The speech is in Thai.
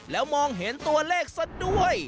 แล้วมองเห็นตัวเลขซะด้วย